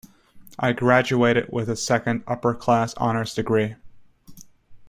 I graduated with a second upper-class honours degree.